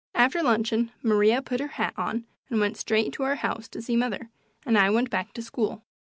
After luncheon Maria put her hat on and went straight to our house to see mother, and I went back to school.